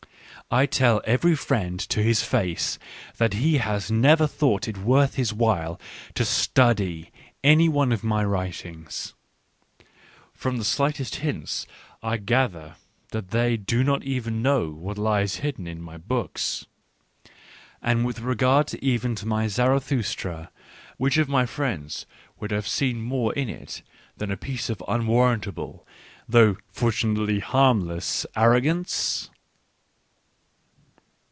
I tell every friend to his face that he has never thought it worth his while to study any one of my writings : from the slightest hints I gather that they do not even know what lies hidden in my books. And with regard even to my Zaratkustra, which of my friends would have seen more in it than a piece of unwarrantable, though fortunately harmless, ar rogance